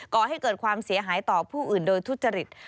ก่อให้เกิดความเสียหายต่อผู้อื่นโดยทุจริต